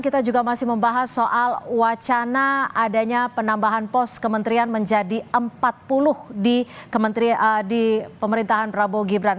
kita juga masih membahas soal wacana adanya penambahan pos kementerian menjadi empat puluh di pemerintahan prabowo gibran